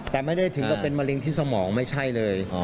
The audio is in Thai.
แต่ไม่ได้ถึงกับเป็นมะเร็งที่สมองไม่ใช่เลย